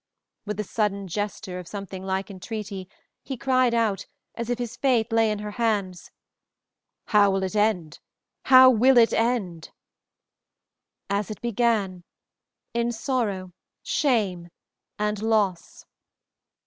With a sudden gesture of something like entreaty, he cried out, as if his fate lay in her hands, "How will it end? how will it end?" "As it began in sorrow, shame and loss."